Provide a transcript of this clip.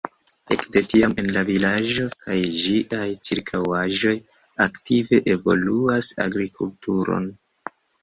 Ekde tiam en la vilaĝo kaj ĝiaj ĉirkaŭaĵoj aktive evoluas agrikulturo.